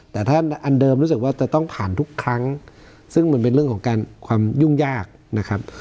แต่ถ้าอันเดิมรู้สึกว่าจะต้องผ่านทุกครั้งซึ่งมันเป็นเรื่องของการความยุ่งยากนะครับ